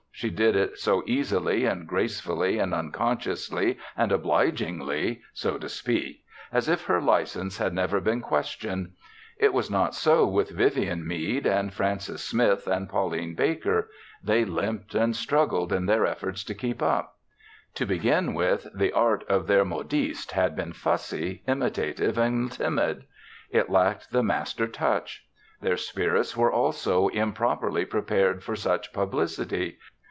She did it so easily and gracefully and unconsciously and obligingly, so to speak, as if her license had never been questioned. It was not so with Vivian Mead and Frances Smith and Pauline Baker. They limped and struggled in their efforts to keep up. To begin with, the art of their modiste had been fussy, imitative and timid. It lacked the master touch. Their spirits were also improperly prepared for such publicity.